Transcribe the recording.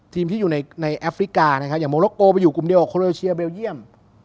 ที่อยู่ในแอฟริกานะครับอย่างโมโลโกไปอยู่กลุ่มเดียวโคโลเชียเบลเยี่ยม